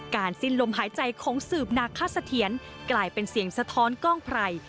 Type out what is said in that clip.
สิ้นลมหายใจของสืบนาคสะเทียนกลายเป็นเสียงสะท้อนกล้องไพร